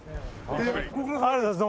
ご苦労さまです。